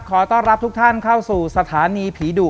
ขอต้อนรับทุกท่านเข้าสู่สถานีผีดุ